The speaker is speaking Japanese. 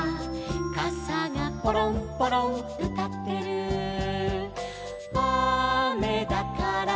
「かさがポロンポロンうたってる」「あめだから」